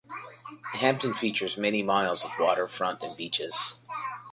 Hampton features many miles of waterfront and beaches.